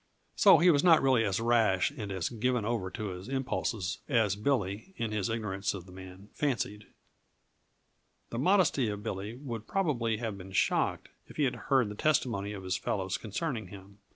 So he was not really as rash and as given over to his impulses as Billy, in his ignorance of the man, fancied. The modesty of Billy would probably have been shocked if he had heard the testimony of his fellows concerning him.